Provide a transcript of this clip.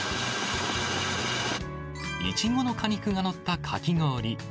イチゴの果肉が載ったかき氷